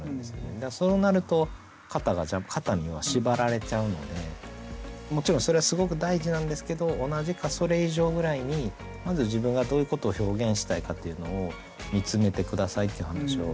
だからそうなると型には縛られちゃうのでもちろんそれはすごく大事なんですけど同じかそれ以上ぐらいにまず自分がどういうことを表現したいかっていうのを見つめて下さいっていう話をしてますね。